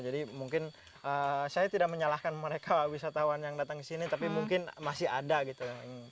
jadi mungkin saya tidak menyalahkan mereka wisatawan yang datang ke sini tapi mungkin masih ada gitu